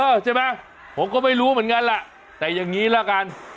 ใช่ไหมผมก็ไม่รู้เหมือนกันแหละแต่อย่างนี้ละกัน